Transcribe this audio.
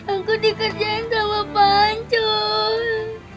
aku dikerjain sama pak anjol